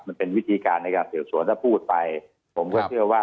มันเป็นวิธีการในการสืบสวนถ้าพูดไปผมก็เชื่อว่า